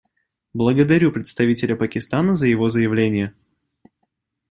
Благодарю представителя Пакистана за его заявление.